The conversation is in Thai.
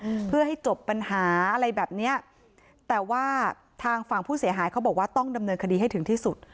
อืมเพื่อให้จบปัญหาอะไรแบบเนี้ยแต่ว่าทางฝั่งผู้เสียหายเขาบอกว่าต้องดำเนินคดีให้ถึงที่สุด